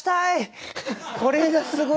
これがすごいです。